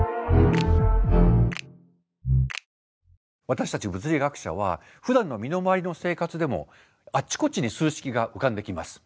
私たち物理学者はふだんの身の回りの生活でもあっちこっちに数式が浮かんできます。